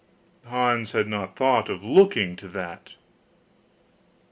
Hans had not thought of looking to that.